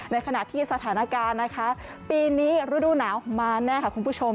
ในขณะที่สถานการณ์นะคะปีนี้ฤดูหนาวมาแน่ค่ะคุณผู้ชม